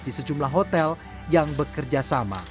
di sejumlah hotel yang bekerja sama